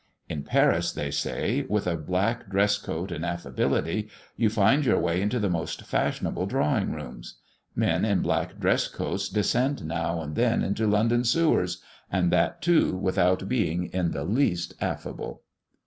In Paris, they say, with a black dress coat and affability, you find your way into the most fashionable drawing rooms. Men in black dress coats descend now and then into London sewers, and that, too, without being in the least affable.